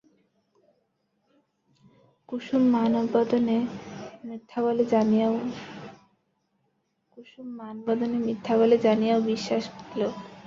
কুসুম মানবদনে মিথ্যা বলে জানিয়াও বিশ্বাস করিল।